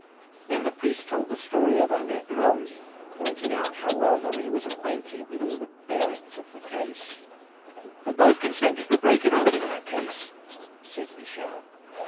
Then the priest told the story of Annette Lolme, pointing out how well Marie was acquainted with all the bearings of the case. 'But both consented to break it off in that case,' said Michel.